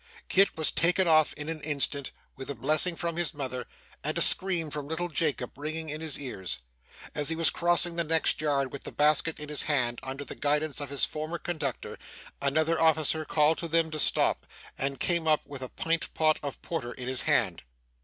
Kit was taken off in an instant, with a blessing from his mother, and a scream from little Jacob, ringing in his ears. As he was crossing the next yard with the basket in his hand, under the guidance of his former conductor, another officer called to them to stop, and came up with a pint pot of porter in his hand.